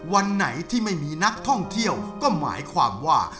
วันไหนที่ไม่มีนักท่องเที่ยวก็หมายความว่า